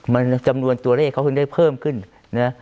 มันจำนวนตัวเลขเขาเพิ่งได้เพิ่มขึ้นนะ